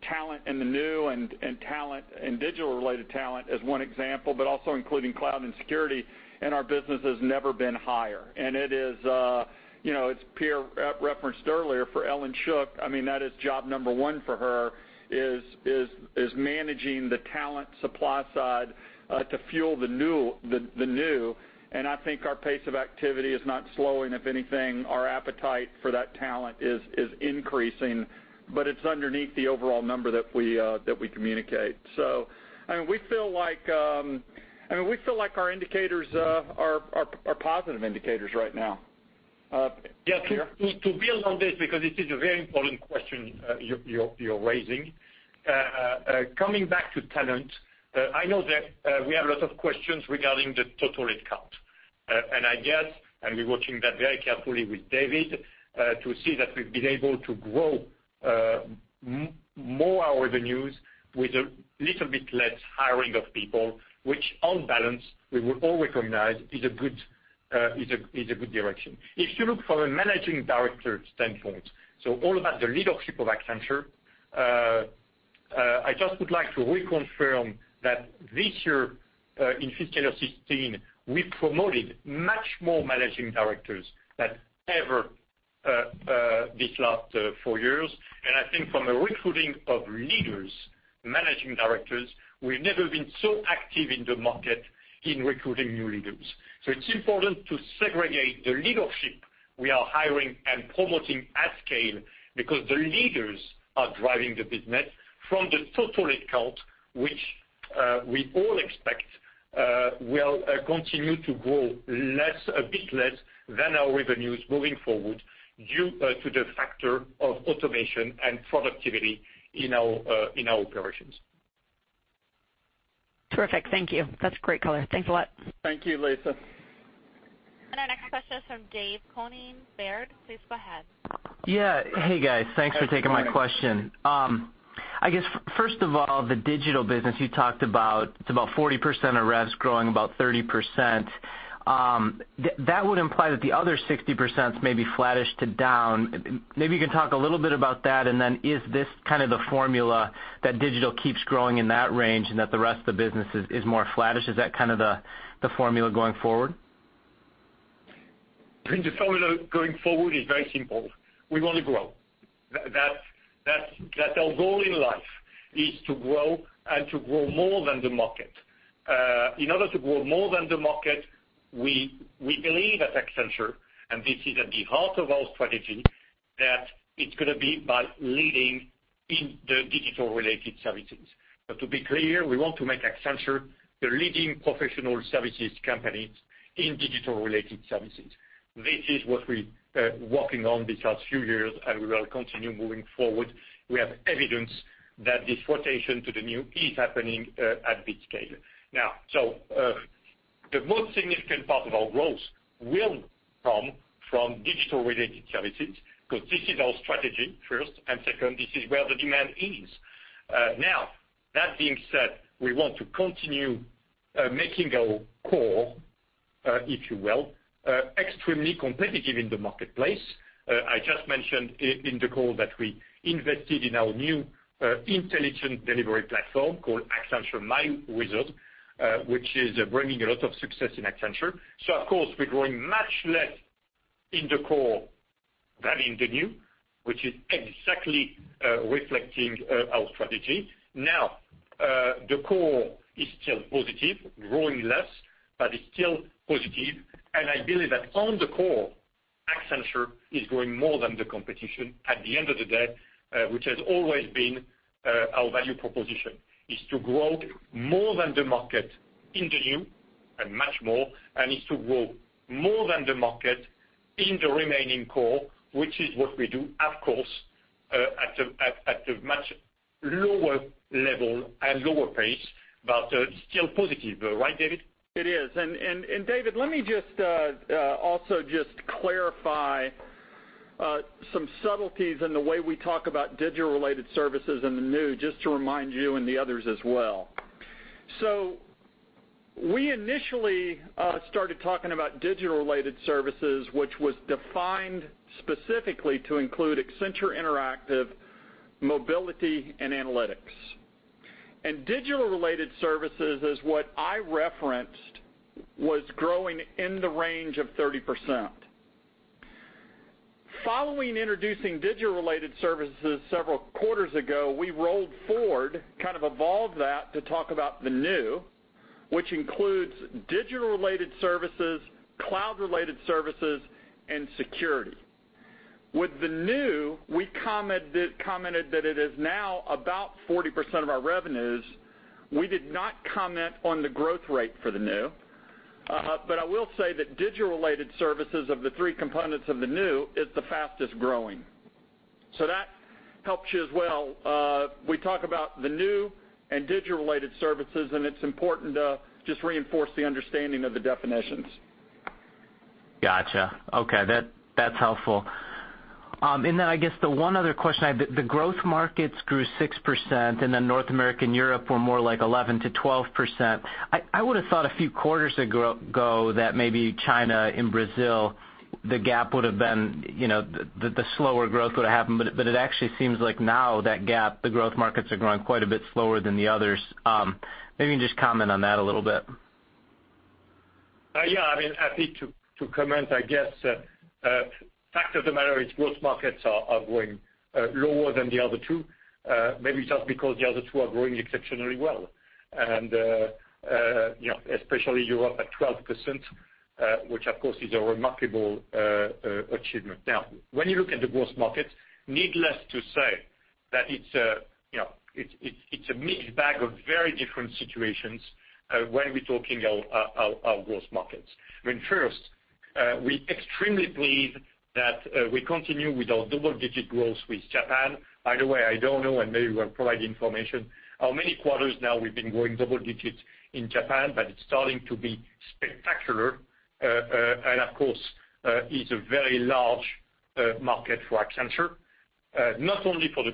talent in the new and digital-related talent as one example, but also including cloud and security in our business has never been higher. It is peer-referenced earlier for Ellyn Shook. That is job number one for her, is managing the talent supply side to fuel the new. I think our pace of activity is not slowing. If anything, our appetite for that talent is increasing. It is underneath the overall number that we communicate. We feel like our indicators are positive indicators right now. Pierre? Yeah. To build on this, because this is a very important question you are raising. Coming back to talent, I know that we have a lot of questions regarding the total headcount. I guess, we are watching that very carefully with David, to see that we have been able to grow more our revenues with a little bit less hiring of people, which on balance, we would all recognize is a good direction. If you look from a managing director standpoint, so all about the leadership of Accenture, I just would like to reconfirm that this year, in fiscal year 2016, we promoted much more Managing Directors than ever these last four years. I think from a recruiting of leaders, Managing Directors, we have never been so active in the market in recruiting new leaders. It's important to segregate the leadership we are hiring and promoting at scale because the leaders are driving the business from the total head count, which we all expect will continue to grow a bit less than our revenues moving forward due to the factor of automation and productivity in our operations. Terrific. Thank you. That's a great color. Thanks a lot. Thank you, Lisa. Our next question is from Dave Koning Baird. Please go ahead. Yeah. Hey, guys. Thanks for taking my question. I guess, first of all, the digital business you talked about, it's about 40% of revs growing about 30%. That would imply that the other 60% is maybe flattish to down. Maybe you can talk a little bit about that, then is this kind of the formula that digital keeps growing in that range and that the rest of the business is more flattish? Is that kind of the formula going forward? The formula going forward is very simple. We want to grow. That's our goal in life, is to grow and to grow more than the market. In order to grow more than the market, we believe at Accenture, this is at the heart of our strategy, that it's going to be by leading in the digital-related services. To be clear, we want to make Accenture the leading professional services company in digital-related services. This is what we are working on these last few years, we will continue moving forward. We have evidence that this rotation to the new is happening at big scale. The most significant part of our growth will come from digital-related services because this is our strategy, first, second, this is where the demand is. That being said, we want to continue making our core, if you will, extremely competitive in the marketplace. I just mentioned in the call that we invested in our new intelligent delivery platform called Accenture myWizard, which is bringing a lot of success in Accenture. Of course, we're growing much less in the core than in the new, which is exactly reflecting our strategy. The core is still positive, growing less, it's still positive. I believe that on the core, Accenture is growing more than the competition at the end of the day, which has always been our value proposition. Is to grow more than the market in the new and much more, is to grow more than the market in the remaining core, which is what we do, of course, at a much lower level and lower pace, still positive. Right, David? It is. David, let me just also just clarify some subtleties in the way we talk about digital-related services in the new, just to remind you and the others as well. We initially started talking about digital-related services, which was defined specifically to include Accenture Interactive, Mobility, and Analytics. Digital-related services is what I referenced was growing in the range of 30%. Following introducing digital-related services several quarters ago, we rolled forward, kind of evolved that to talk about the new, which includes digital-related services, cloud-related services, and security. With the new, we commented that it is now about 40% of our revenues. We did not comment on the growth rate for the new. I will say that digital-related services of the three components of the new is the fastest-growing. That helps you as well. We talk about the new and digital-related services, and it's important to just reinforce the understanding of the definitions. Got you. Okay. That's helpful. Then I guess the one other question I have, the growth markets grew 6%, then North America and Europe were more like 11%-12%. I would've thought a few quarters ago that maybe China and Brazil, the gap would have been, the slower growth would have happened, it actually seems like now that gap, the growth markets are growing quite a bit slower than the others. Maybe you can just comment on that a little bit. Yeah. I mean, happy to comment, I guess. Fact of the matter is growth markets are growing lower than the other two, maybe just because the other two are growing exceptionally well, and especially Europe at 12%, which, of course, is a remarkable achievement. When you look at the growth market, needless to say that it's a mixed bag of very different situations when we're talking of growth markets. I mean, first, we extremely pleased that we continue with our double-digit growth with Japan. By the way, I don't know, and maybe we'll provide the information, how many quarters now we've been growing double digits in Japan, but it's starting to be spectacular, and of course, is a very large market for Accenture. Not only for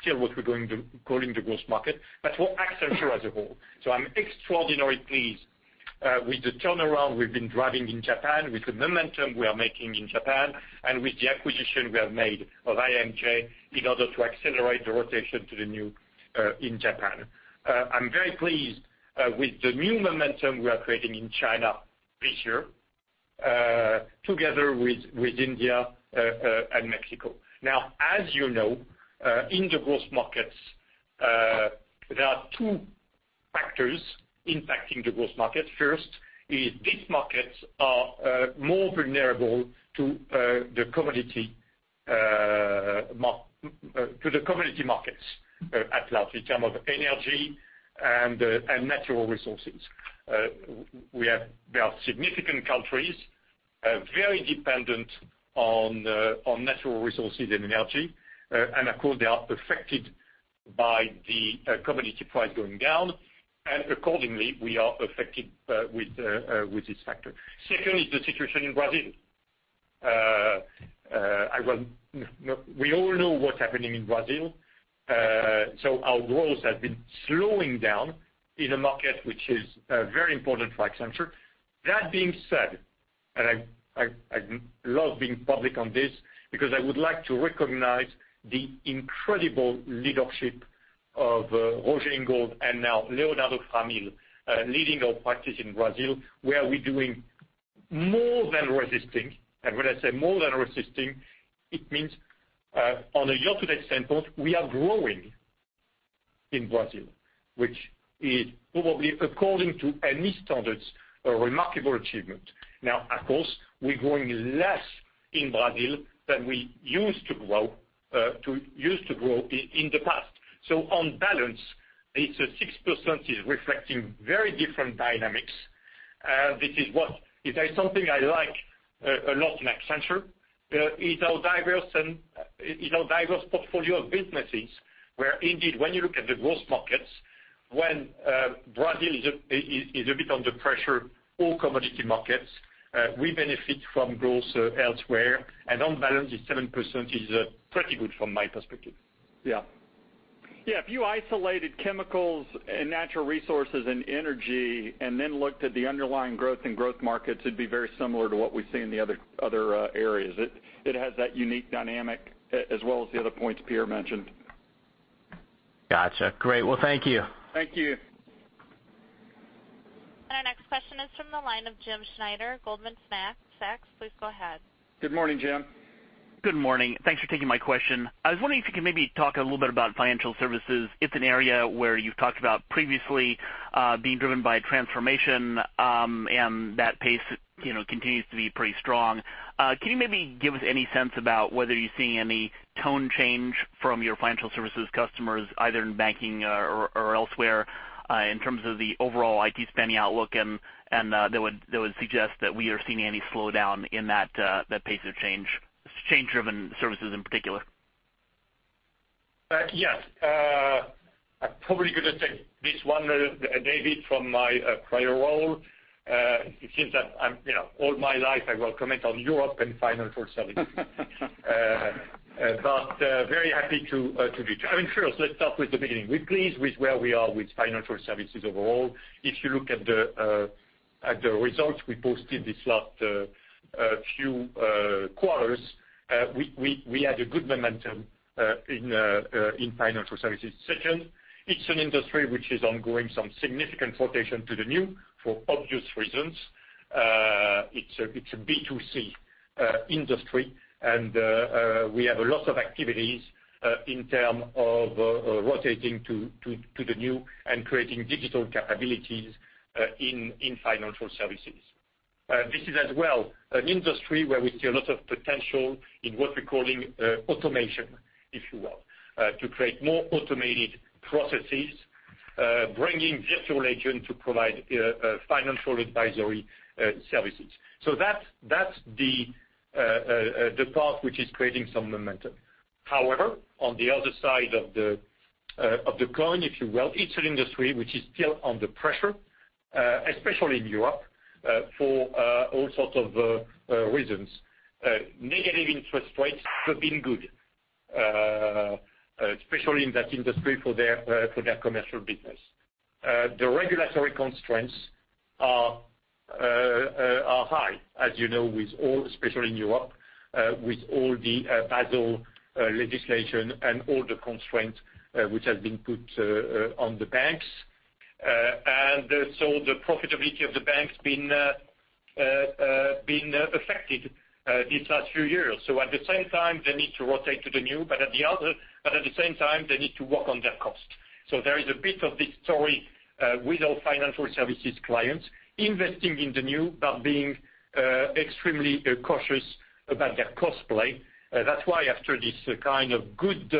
still what we're calling the growth market, but for Accenture as a whole. I'm extraordinarily pleased with the turnaround we've been driving in Japan, with the momentum we are making in Japan, and with the acquisition we have made of IMJ in order to accelerate the rotation to the new in Japan. I'm very pleased with the new momentum we are creating in China this year, together with India and Mexico. As you know, in the growth markets, there are two factors impacting the growth market. First is these markets are more vulnerable to the commodity markets at large, in term of energy and natural resources. There are significant countries, very dependent on natural resources and energy, and of course, they are affected by the commodity price going down. Accordingly, we are affected with this factor. Second is the situation in Brazil. We all know what's happening in Brazil. Our growth has been slowing down in a market which is very important for Accenture. That being said, and I love being public on this because I would like to recognize the incredible leadership of Roger Ingold, and now Leonardo Framil, leading our practice in Brazil, where we're doing more than resisting. When I say more than resisting, it means on a year-to-date standpoint, we are growing in Brazil, which is probably, according to any standards, a remarkable achievement. Of course, we're growing less in Brazil than we used to grow in the past. On balance, it's a 6% is reflecting very different dynamics. This is what, if there's something I like a lot in Accenture, is our diverse portfolio of businesses, where indeed, when you look at the growth markets, when Brazil is a bit under pressure, all commodity markets, we benefit from growth elsewhere, and on balance, the 7% is pretty good from my perspective. Yeah. If you isolated chemicals and natural resources and energy, and then looked at the underlying growth in growth markets, it'd be very similar to what we see in the other areas. It has that unique dynamic as well as the other points Pierre mentioned. Got you. Great. Well, thank you. Thank you. Our next question is from the line of James Schneider, Goldman Sachs. Please go ahead. Good morning, James. Good morning. Thanks for taking my question. I was wondering if you could maybe talk a little bit about financial services. It's an area where you've talked about previously being driven by transformation, and that pace continues to be pretty strong. Can you maybe give us any sense about whether you're seeing any tone change from your financial services customers, either in banking or elsewhere, in terms of the overall IT spending outlook, and that would suggest that we are seeing any slowdown in that pace of change-driven services in particular? Yes. I'm probably going to take this one, David, from my prior role. It seems that all my life, I will comment on Europe and financial services. Very happy to do. First, let's start with the beginning. We're pleased with where we are with financial services overall. If you look at the results we posted these last few quarters, we had a good momentum in financial services. Second, it's an industry which is undergoing some significant rotation to the new, for obvious reasons. It's a B2C industry, and we have a lot of activities in terms of rotating to the new and creating digital capabilities in financial services. This is as well an industry where we see a lot of potential in what we're calling automation, if you will, to create more automated processes, bringing virtual agent to provide financial advisory services. That's the part which is creating some momentum. However, on the other side of the coin, if you will. It's an industry which is still under pressure, especially in Europe, for all sorts of reasons. Negative interest rates have been good, especially in that industry for their commercial business. The regulatory constraints are high, as you know, especially in Europe, with all the Basel legislation and all the constraints which have been put on the banks. The profitability of the bank's been affected these last few years. At the same time, they need to rotate to the new, but at the same time, they need to work on their cost. There is a bit of this story with our financial services clients investing in the new but being extremely cautious about their cost play. That's why after this kind of good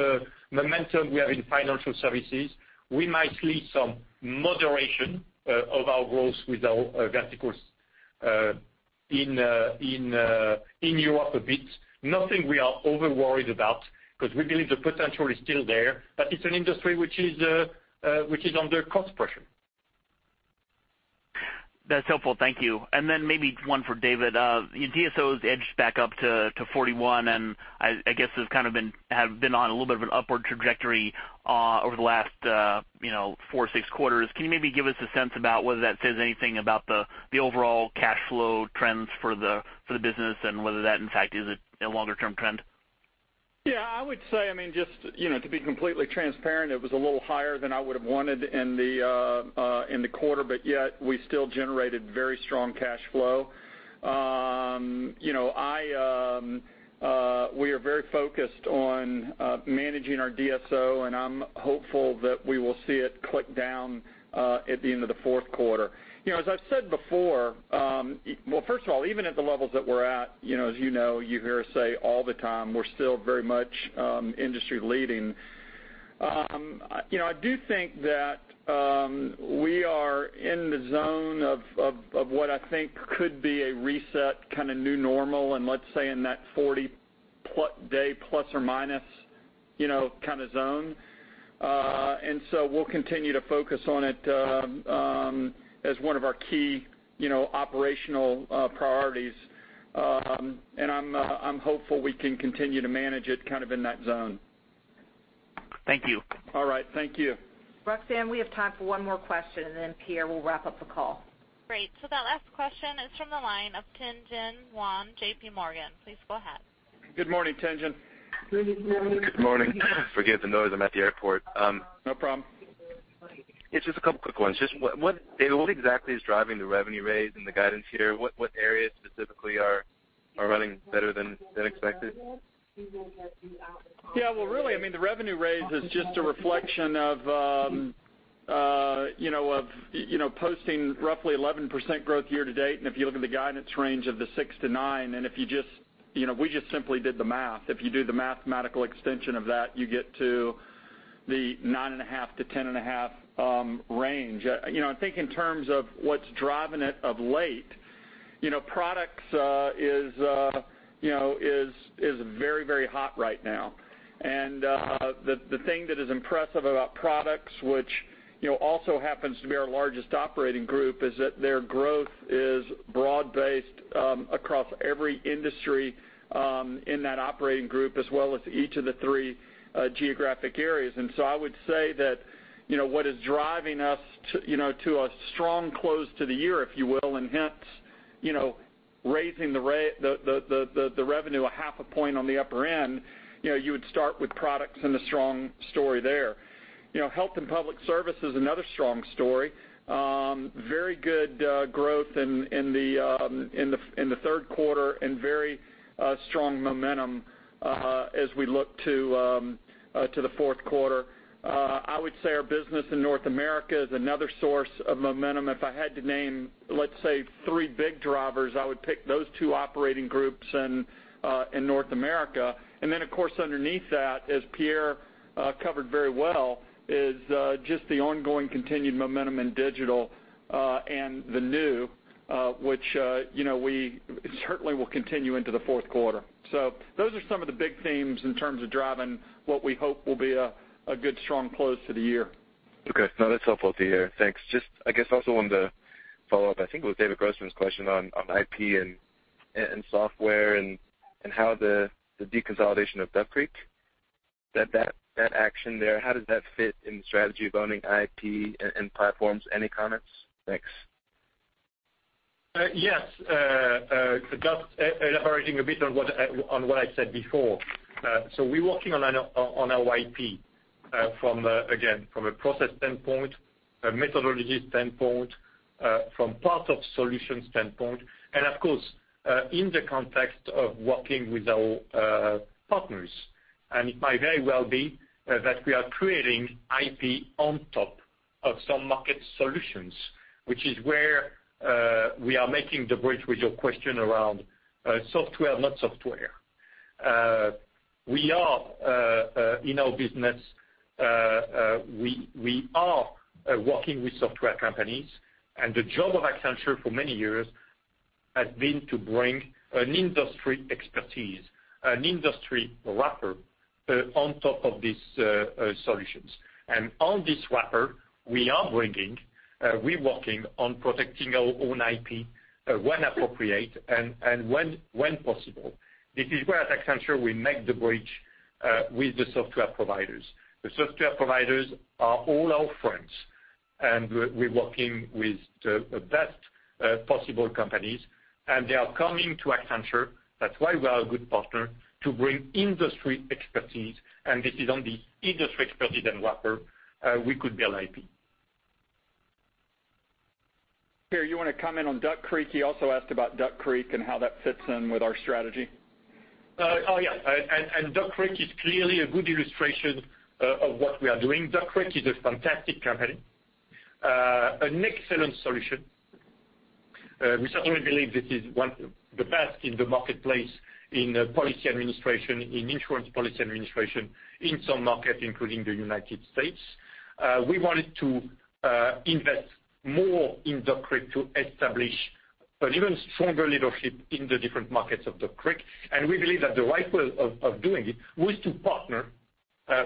momentum we have in financial services, we might see some moderation of our growth with our verticals in Europe a bit. Nothing we are over-worried about, because we believe the potential is still there, but it's an industry which is under cost pressure. That's helpful. Thank you. Then maybe one for David. Your DSOs edged back up to 41, and I guess have been on a little bit of an upward trajectory over the last four to six quarters. Can you maybe give us a sense about whether that says anything about the overall cash flow trends for the business and whether that, in fact, is a longer-term trend? Yeah, I would say, just to be completely transparent, it was a little higher than I would've wanted in the quarter, but yet we still generated very strong cash flow. We are very focused on managing our DSO, and I'm hopeful that we will see it click down at the end of the fourth quarter. As I've said before, well, first of all, even at the levels that we're at, as you know, you hear us say all the time, we're still very much industry-leading. I do think that we are in the zone of what I think could be a reset new normal, let's say in that 40-day plus or minus zone. We'll continue to focus on it as one of our key operational priorities. I'm hopeful we can continue to manage it in that zone. Thank you. All right. Thank you. Roxanne, we have time for one more question, and then Pierre, we'll wrap up the call. Great. That last question is from the line of Tien-Tsin Huang, JPMorgan. Please go ahead. Good morning, Tien-Tsin. Good morning. Forgive the noise. I'm at the airport. No problem. It's just a couple of quick ones. Just, David, what exactly is driving the revenue raise and the guidance here? What areas specifically are running better than expected? Yeah. Well, really, the revenue raise is just a reflection of posting roughly 11% growth year to date. If you look at the guidance range of the 6%-9%, we just simply did the math. If you do the mathematical extension of that, you get to the 9.5%-10.5% range. I think in terms of what's driving it of late, products is very hot right now. The thing that is impressive about products, which also happens to be our largest operating group, is that their growth is broad-based across every industry in that operating group, as well as each of the three geographic areas. I would say that what is driving us to a strong close to the year, if you will, and hence raising the revenue a half a point on the upper end, you would start with products and the strong story there. Health & Public Service is another strong story. Very good growth in the third quarter and very strong momentum as we look to the fourth quarter. I would say our business in North America is another source of momentum. If I had to name, let's say, three big drivers, I would pick those two operating groups and North America. Then of course, underneath that, as Pierre covered very well, is just the ongoing continued momentum in digital, and the new, which certainly will continue into the fourth quarter. Those are some of the big themes in terms of driving what we hope will be a good, strong close to the year. Okay. No, that's helpful to hear. Thanks. Just, I guess also wanted to follow up, I think it was David Grossman's question on IP and software and how the deconsolidation of Duck Creek, that action there, how does that fit in the strategy of owning IP and platforms? Any comments? Thanks. Yes. Just elaborating a bit on what I said before. We're working on our IP, again, from a process standpoint, a methodology standpoint, from part of solution standpoint, and of course, in the context of working with our partners. It might very well be that we are creating IP on top of some market solutions, which is where we are making the bridge with your question around software, not software. In our business, we are working with software companies, and the job of Accenture for many years has been to bring an industry expertise, an industry wrapper on top of these solutions. On this wrapper, we are working on protecting our own IP when appropriate and when possible. This is where at Accenture, we make the bridge with the software providers. The software providers are all our friends, and we're working with the best possible companies, and they are coming to Accenture, that's why we are a good partner, to bring industry expertise. This is on the industry expertise and wrapper we could build IP. Pierre, you want to comment on Duck Creek? He also asked about Duck Creek and how that fits in with our strategy. Oh, yeah. Duck Creek is clearly a good illustration of what we are doing. Duck Creek is a fantastic company, an excellent solution. We certainly believe this is one of the best in the marketplace in policy administration, in insurance policy administration in some markets, including the U.S. We wanted to invest more in Duck Creek to establish an even stronger leadership in the different markets of Duck Creek. We believe that the right way of doing it was to partner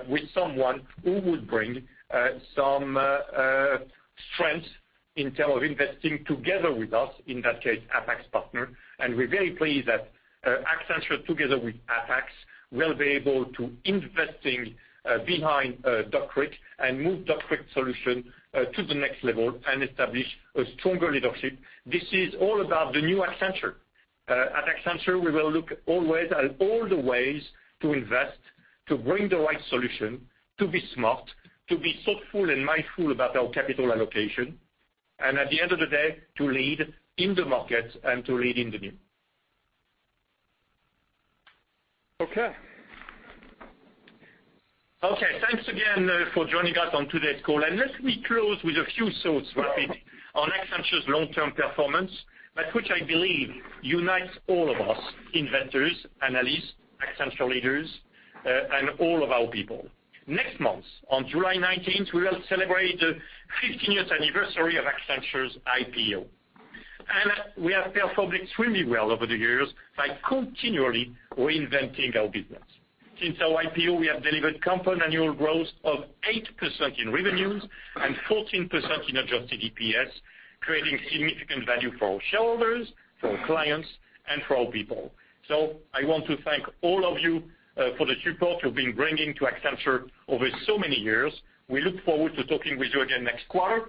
with someone who would bring some strength in term of investing together with us, in that case, Apax Partners. We're very pleased that Accenture, together with Apax, will be able to investing behind Duck Creek and move Duck Creek solution to the next level and establish a stronger leadership. This is all about the new Accenture. At Accenture, we will look always at all the ways to invest, to bring the right solution, to be smart, to be thoughtful and mindful about our capital allocation, and at the end of the day, to lead in the market and to lead in the new. Okay. Okay. Thanks again for joining us on today's call. Let me close with a few thoughts rapidly on Accenture's long-term performance, but which I believe unites all of us investors, analysts, Accenture leaders, and all of our people. Next month, on July 19th, we will celebrate the 15th anniversary of Accenture's IPO. We have performed extremely well over the years by continually reinventing our business. Since our IPO, we have delivered compound annual growth of 8% in revenues and 14% in adjusted EPS, creating significant value for our shareholders, for our clients, and for our people. I want to thank all of you for the support you've been bringing to Accenture over so many years. We look forward to talking with you again next quarter.